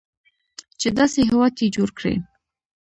چې داسې هیواد یې جوړ کړی.